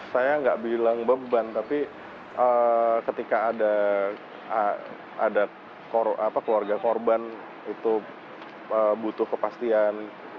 saya nggak bilang beban tapi ketika ada keluarga korban itu butuh kepastian